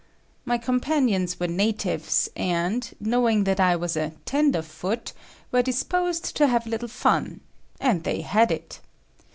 My com panions were natives, and, knowing that I was a "tenderfoot," were disposed to have a little fun; and they had it.